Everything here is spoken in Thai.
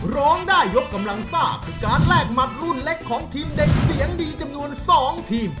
ร้องได้ยกกำลังซ่าคือการแลกหมัดรุ่นเล็กของทีมเด็กเสียงดีจำนวน๒ทีม